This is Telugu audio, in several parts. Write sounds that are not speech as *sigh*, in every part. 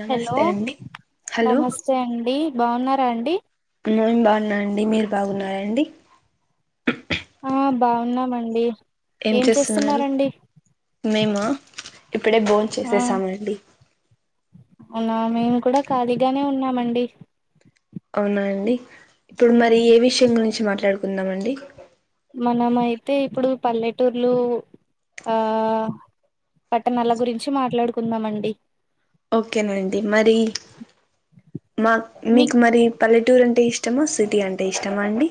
నమస్తే హలో అండి హలో నమస్తే అండి బావున్నారా అండి మేము బాగున్నాం అండి మీరు బాగున్నారా అండి ఆ బాగున్నాం అండి ఏం చేస్తున్నారా అండి మేమ ఇప్పుడే బోన్ ఆ చేసేసామండి అవునా మేము కూడా ఖాళీగానే ఉన్నామండి అవునా అండి ఇప్పుడు ఉమ్ మరి ఏ విషయం గురించి మాట్లాడుకుందాం అండి మనమ అయితే ఇప్పుడు పల్లెటూర్లు ఆ పట్టణాల గురించి మాట్లాడుకుందాం అండి ఓకేనండి మరి మా మీ మీకు మరి పల్లెటూరు అంటే ఇష్టమా సిటీ అంటే ఇష్టమా అండి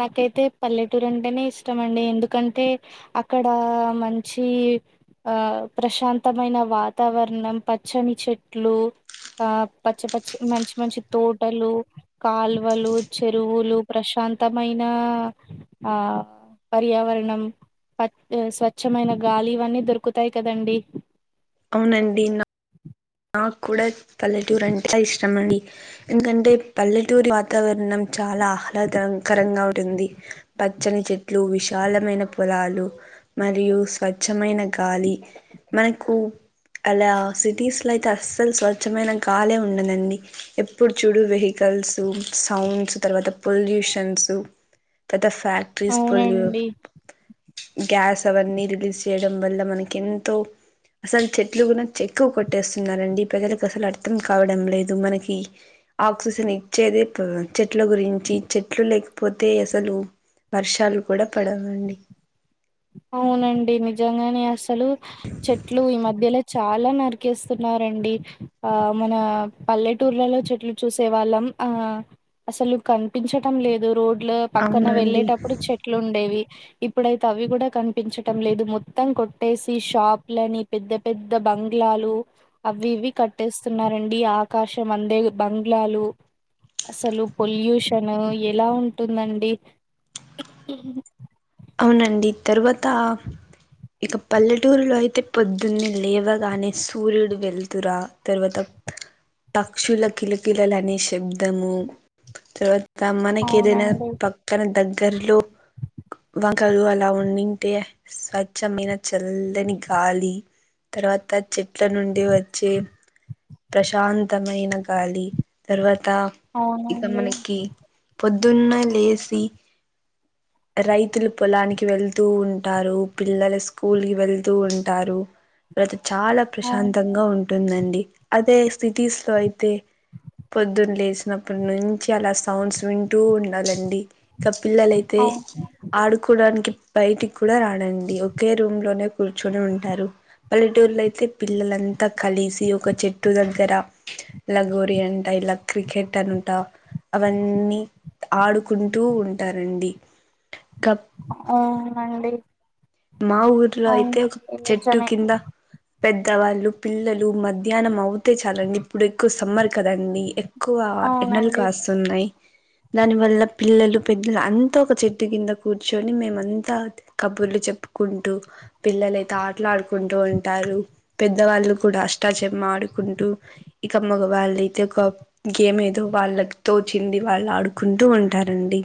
నాకైతే పల్లెటూరు అంటేనే ఇష్టయండి ఎందుకంటే అక్కడ మంచి ఈ ఆ ప్రశాంతమైన వాతావరణం పచ్చని చెట్లు ఆ పచ్చపచ్చి మంచి మంచి తోటలు కాల్వలు చెరువులు ప్రశాంత త్తమైన ఆ పర్యావరణం ప స్వచ్ఛమైన గాలి ఇవన్నీ దొరుకుతాయి కదా అండి అవునండి నా నాకు కూడా పల్లెటూరు అంటే చాలా ఇష్టం అండి ఎందుకంటే పల్లెటూరి వాతావరణం చాలా ఆహ్లాదకరంగా ఉంటుంది పచ్చని చెట్లు విశాలమైన పొలాలు మరియు స్వచ్ఛమైన గాలి మనకు అలా సిటీస్ ఇలా అయితే అస్సలు స్వచ్ఛమైన గాలే ఉండదండి ఎప్పుడు చూడు వెహికల్స్ సౌండ్ తర్వాత పొల్యూషన్స్ *inaudible* ద ఫ్యాక్ట్రీస్ పొల్యూ అవునండి గ్యాస్ అవన్నీ రిలీజ్ చేయడం వల్ల మనకు ఎంతో అసలు చెట్లు కూడా చెక్కు కొట్ ట్టేస్తున్న రండి ప్రజలకు అసలు అర్థం కావడం లేదు మనకి ఆక్సిజన్ ఇచ్చేది చెట్ల గురించి చెట్లు లేకపోతే అసలు వర్షాలు కూడా పడవండి అవునండి నిజంగానే అసలు చెట్లు ఈ మధ్యలో చాలా నరికేస్తున్న రండి ఆ మన పల్లెటూర్లలో చెట్లు చూసే వాళ్ళం ఆ అసలు కనిపించడం లేదు రోడ్ లో పక్కన అవునండి వెళ్ళేటప్పుడు చెట్లు ఉండేవి ఇప్పుడుయితే అవి కూడా కనిపించడం లేదు మొత్తం కొట్టేసి షాప్ లని పెద్ద పెద్ద బంగ్లాలు అవి ఇవి కట్టేస్తున్నారండి ఆకాశం అందే బంగ్లాలు అసలు పొల్యూషన్ ఎలా ఉంటుందండి అవునండి తరువాత ఇక పల్లెటూరులో అయితే పొద్దున్న లేవగానే సూర్యుడు వెళ్తురా తర్వాత పక్షుల కిలకిలనే శబ్దము తర్వాత మనకి ఏదైనా అవునండి పక్కన దగ్గర్లో వంకలు అలా ఉండుంటే స్వచ్ఛమైన చల్లని గాలి తర్వాత చెట్ల నుండి వచ్చే ప్రశాంతమైన గాలి తర్వాత ఇంకా ఇక అవునండి మనకి పొద్దున్న లేసి రైతులు పొలానికి వెళ్తూ ఉంటారు. పిల్లల స్కూల్ క వెళ్తూ ఉంటారు. తర్వాత చాలా అవును ప్రశాంతంగా ఉంటుందండి. అదే సిటీస్ లో అయితే పొద్దున్న లేసినప్పుడు నుంచి అలా సౌండ్స్ వింటూ ఉండాలండి. ఇక పిల్లలు అయితే అవును ఆడుకోడానికి బయటికి కూడా రారండి ఒకే రూమ్ లోనే కూర్చొని ఉంటారు. పల్లెటూరులో అయితే పిల్లలంతా కలిసి ఒక చెట్టు దగ్గర లగోరీ అంటా ఇలా క్రికెట్ అని ఉంటా అవన్నీ ఆడుకుంటూ ఉంటారండి క అవునండి మా ఊర్లో అయితే ఒక అవునండి చెట్టు నిజమే కింద పెద్దవాళ్ళు, పిల్లలు, మధ్యాహ్నం అయితే చాలండి ఇప్పుడు ఎక్కువ సమ్మర్ కదండి. ఎక్కువ ఎండలు అవునండి కాస్తున్నాయి. దాని వల్ల పిల్లలు, పెద్దలు అంతా ఒక చెట్టు కింద కూర్చొని మేమ అంతా కబుర్లు చెప్పు కుంటూ పిల్లలైతే ఆటలు ఆడుకుంటూ ఉంటారు. పెద్దవాళ్ళు కూడా అష్టాచమ్మా ఆడు కుంటూ ఇక మగ వాళ్ళయితే ఒక గేమ్ ఏదో వాళ్ళ తోచింది వాళ్ళు ఆడుకుంటు అంటూ ఉంటారండి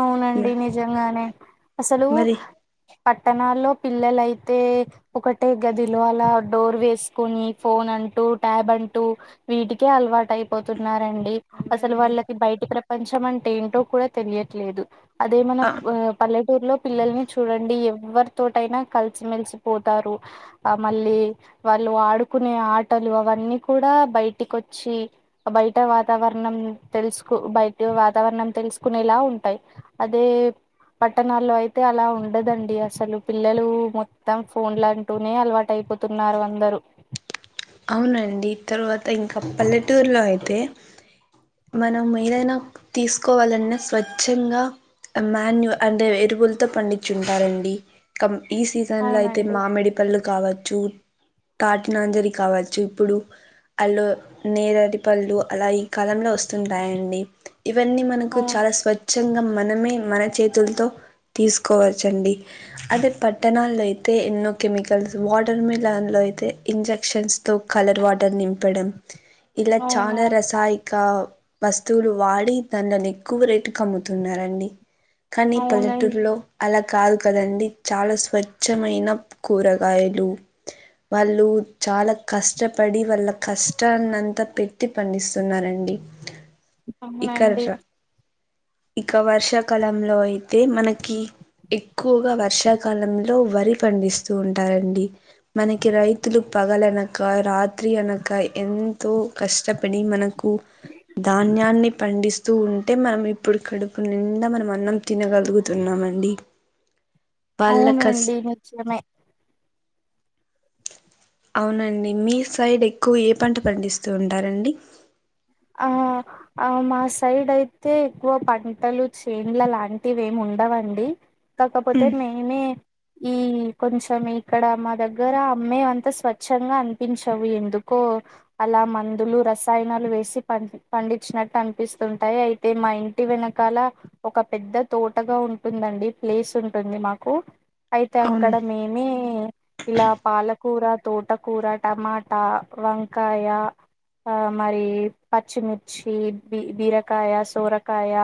అవునండి నిజంగానే అసలు మరి పట్టణాల్లో పిల్లలయితే, ఒకటే గదిలో అలా డోర్ వేసుకుని ఫోన్ అంటూ టాబ్ అంటూ వాటికే అలటుయిపోతున్నారు. అండి. అసలు అవునండి వాళ్ళకి బయటి ప్రపంచం అంటే ఏంటో కూడా తెలియట్లేదు. అదే మన ఆ పల్లె టూర్లలో పిల్లల్ని చూడండి ఎవరి తోటైనా కలిసిమెలిసిపోతారు. ఆ మళ్ళీ వాళ్ళు ఆడుకునే ఆటలు అవన్నీ కూడా బయటికి వచ్చి బయట వాతావరణ తెలుసుకు బయట వాతావరణం తెలుసుకునేలా ఉంటాయి. అదే పట్టణాల్లో అయితే అలా ఉండదండి. అసలు పిల్లలు మొత్తం ఫోన్లు అంటూనే అలవాటై పోతున్నారు అందరూ. అవునండి, తర్వాత ఇంకా పల్లెటూరులో అయితే మనం ఏదైనా తీసుకోవాలన్నా స్వచ్ఛంగా అంటే ఎరువులతో పండించుంటారండి. కం ఈ సీజన్ లో అయితే అవునండి మామిడి పళ్ళు కావచ్చు తాటిముంజలు కావచ్చు. కావచ్చు ఇప్పుడు ఆలో నేరడి పళ్ళు అలా ఈ కాలంలో వస్తుంటాయండి. ఇవన్నీ మనకు చాలా అవునండి స్వచ్ఛంగా మనమే మన చేతులతో తీసుకోవచ్చు అండి అదే పట్టణాల్లో అయితే ఎన్నో కెమికల్స్ వాటర్ మిలన్లో అయితే ఇంజెక్షన్ న్ తో కలర్ వాటర్ నింపడం ఇలా అవునా చాలా రసాయినిక వస్తువులు వాడి దాండ్లను ఎక్కువ రేటు కి అమ్ముతున్నారండి. కానీ అవునండి పల్లెటూరులో అలా కాదు కదండి చాలా స్వచ్ఛమైన కూరగాయలు వాళ్ళు చాలా కష్టపడి వాళ్ళ కష్టాన్నంతా పెట్టి పండిస్తున్నారండి ఇక అవునండి ఇక వర్షాకాలంలో అయితే మనకి ఎక్కువగా వర్షాకాలంలో వరి పండిస్తూ ఉంటారండి మనకి రైతులు పగలనక రాత్రి అనక ఎంతో కష్టపడి మనకు కు ధాన్యాన్ని పండిస్త స్తూ ఉంటే మనం ఇప్పుడు కడుపు నిండా మనం అన్నం తినగలుగుతున్నామండి వాళ్ళ కస్ అవునండి నిత్యమే అవునండి మీ సైడ్ ఎక్కువ ఏ పంట పండిస్తూ ఉంటారండి ఆ ఆ మా సైడ్ అయితే ఎక్కువ పంటలు చేన్ల లాంటివి ఏమి ఉం డవండి కాకపోతే మెమే ఈ కొంచెం ఇక్కడ మా దగ్గర అమ్మెయి అంతా స్వచ్చంగా అనిపించవు ఎందుకో అలా మందులు రసాయనాలు వేసి పండించినట్టు అనిపిస్తుంటాయి అయితే మా ఇంటి వెనకాల ఒక పెద్ద తోటగా ఉ ఉంటుందండి ప్లేస్ ఉంటుంది మాకు అయితే అవును అక్కడ మేమే ఇలా పాలకూర తోటకూర టమాటా వంకాయ ఆ మరీ పచ్చిమిర్చి బీ బీరకాయ సోరకాయ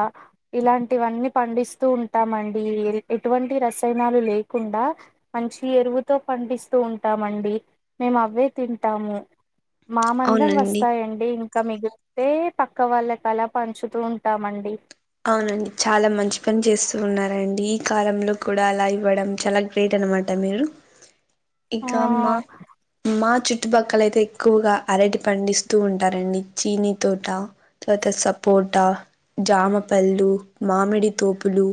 ఇలాంటివన్నీ పండిస్తూ ఉం టామండి ఎటువంటి రసాయనాలు లేకుండా మంచి ఎరువుతో పండిస్తూ ఉంట మండి మేము అవే తింటాము మా మందం అవునండి వస్తాయండి ఇంకా మిగు. లుతే పక్క వాళ్ళకలా పంచుతా ఉంటామండి అవునండి చాలా మంచి పని చేస్తూ ఉన్నారండి ఈ కాలంలో కూడా అలా ఇవ్వడం చాలా గ్రేట్ అనమాట మీరు ఆ ఇకామ మా చు చుట్టుపక్కల అయితే ఎక్కువగా అరటి పండిస్తూ ఉంటారండి చీనీ తోట తర్వాత సపోట్ ట జామపళ్ళు మామిడి తోపులు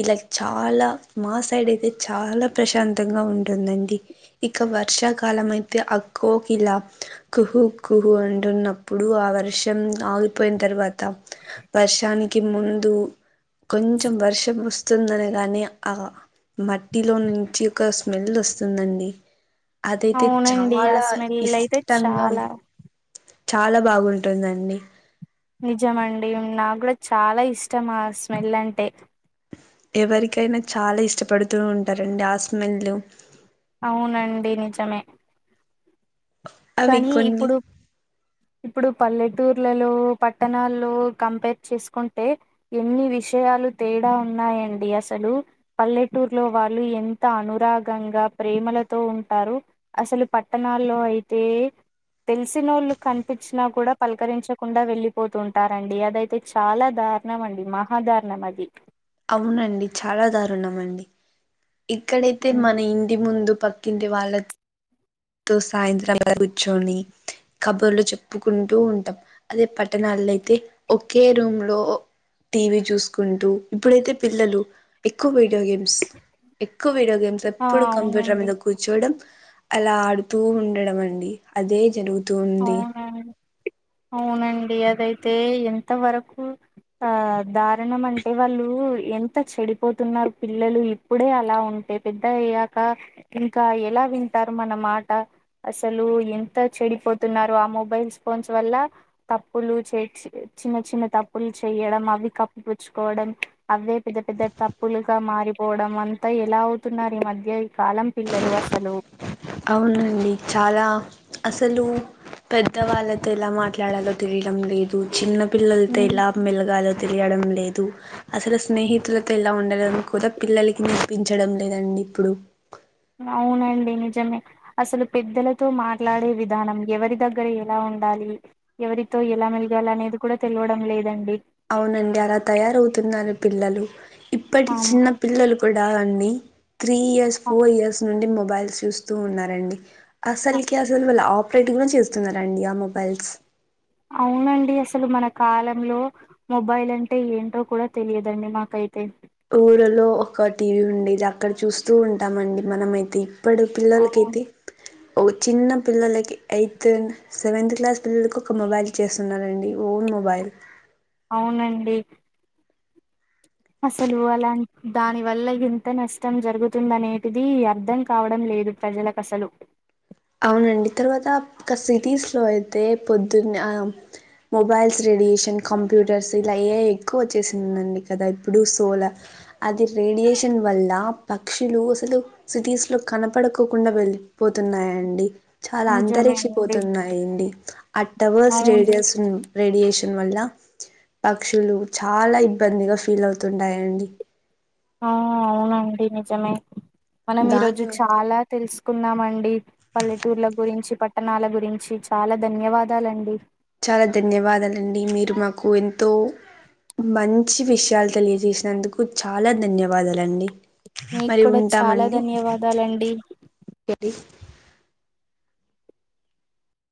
ఇలా చాలా మా సైడ్ అయితే చాలా ప్రశాంతంగా ఉంటుందండి ఇక వర్షాకాలం అయితే అక్కోకిలా కుహు కుహు అంటున్నప్పుడు ఆ వర్షం ఆగిపోయిన తర్వాత వర్షానికి ముందు కొంచెం వర్షం వస్తుందనేగాని ఆ మట్టిలో నుంచి ఒక స్మెల్ వస్తుందండి అదైతే అవునండి ఆ చాలా స్మెల్ అయితే ఇష్టంగా ఉ చాలా చాలా బాగుంటుందండి నిజమండి నాగ్గూడా చాలా ఇష్టం ఆ స్మెల్ అంటే ఎవరికైనా చాలా ఇష్టపడుతూ ఉంటారండి ఆ స్మెల్ అవునండి నిజమే అవి కానీ కొన్ని ఇప్పుడు ఇప్పుడు పల్లెటూర్లలో పట్టణాల్లో కంపేర్ చేసుకుంటే ఎన్ని విషయాలు తేడా ఉన్నాయండి అసలు పల్లెటూరు లో వాళ్ళు ఎంత అనురాగంగా ప్రేమల త ఉంటారు అసలు పట్టణాల్లో అయితే తెలిసినోళ్ళు కనిపించినా కూడా పలకరించకుండా వెళ్ళిపోతుంటారండి అదయితే చాలా దార్ దారుణం అండి మహా దారుణం అది అవునండి చాలా దారుణం అండి ఇక్కడైతే ఉ మన ఇంటి ముందు పక్కింటి వాళ్ళ తో సాయంత్రం అల కూర్చొని కబుర్లు చెప్పుకుంటూ ఉంటాం అదే పట్టణాలు లయితే ఒకే రూమ్ లో టీవీ చూసుకుంటూ ఇప్పుడైతే పిల్లలు ఎక్కువ వీడియో గేమ్స్ ఎక్కువ వీడియో గేమ్స్ ఆ ఎప్పుడు కంప్యూటర్ అవునండి మీద కూర్చోడం అలా ఆడుతూ ఉండడం అండి అదే జరుగుతు అవునండి అవునండి అదైతే ఎంత వరకు ఆ దారుణం అంటే వాళ్ళు ఎంత చెడిపోతున్నారు పిల్లలు ఇప్పుడే అలా ఉం ఎదితయ్యాక ఇంకా ఎలా వింటారు మన మాట అసలు ఎంత చెడిపో తున్నారు ఆ మొబైల్స్ ఫోన్స్ వల్ల తప్పులు చే చిన్న చిన్న తప్పులు చేయడం అది కప్పుపుచ్చుకోవడం అవే పెద్ద పెద్ద తప్పులుగా మారిపోవడం అంతా ఎలా అవుతున్నాయి మధ్య ఈ కాలం పిల్లలు అసలు అవునండి చాలా అసలు పెద్ద వాళ్ళతో ఎలా మాట్లాడాలో తెలిడం లేదు చిన్న పిల్లలతో ఎలా మెలగాలో తెలియడం లే దు అసలు స్నేహితులతో ఇలా ఉండలని కూడా పిల్లలకి నేర్పించడం లేదండి ఇప్పుడు అవునండి నిజమే అసలు పెద్దలతో మాట్లాడే విధానం ఎవరి దగ్గర ఎలా ఉండాలి ఎవరితో ఎలా మెలగాలి అనేది కూడా తెల్వడం లేదండి అవునండి అలా తయారవుతున్నారు పిల్లలు ఇప్పటి అవును చిన్న పిల్లలు కుడ్ డ అండి త్రీ ఇయర్స్ ఫోర్ ఇయర్స్ నుండి మొబైల్స్ చూస్తూ ఉన్నారండి అసల్కి అసలు వాళ్ళు ఆపరేట్గున చేస్తున్నారండి ఆ మొబైల్స్ అవునండి అసలు మన కాలంలో మొబైల్ అంటే ఏంటో కూడా తెలియదండి మాకైతే ఊరిలో ఒక టీవీ ఉండేది అక్కడ చూస్తూ ఉంటామండి మనమయితే ఇప్పుడు ఆ పిల్లలకైతే ఒగ చిన్న పిల్లలకి ఎయిత్ సెవెంత్ క్లాస్ పిల్లలకి ఒక మొబైల్ చేస్తున్నండి ఓన్ మొబైల్ అవునండి అసలు అలాన్ దాని వల్ల ఇంత నష్టం జరుగుతుంది అనేటిది అర్థం కావడం లే లేదు ప్రజలకు అసలు అవునండి తర్వాత క సిటీస్లో అయితే పొద్దున్న మొబైల్స్ రేడియేషన్ కంప్యూటర్స్ ఇలా ఏ ఐ ఎక్కువ వచ్చేసిందండి కదా ఇప్పుడు సోలార్ అది రేడియేషన్ వల్ల పక్షులు అసలు సిటీస్ లో కనపడకోకుండా వెళ్ళి పోతున్నాయ్ అండి చాలా నిజమే అంతరిక్ష అండి పోతున్నాయండి ఆ టవర్స్ అవును రేడియస్ ను రేడియేషన్ వల్ల పక్షులు చాలా ఇబ్బందిగా ఫీల్ అవుతుంటాయండి ఆ అవునండి నిజమే మనం ఈ రోజు దాని చాలా తెలుసు కున్నామండి పల్లెటూర్ల గురించి పట్టణాల గురించి చాలా ధన్యవాదాలండి చాలా ధన్యవాదాలండి మీరు మాకు ఎంతో మంచి విషయాలు తెలియజేసినందుకు చాలా ధన్యవాదాలండి మీకు మరి కూడా చాలా ఉంటామండి ధన్యవాదాలండి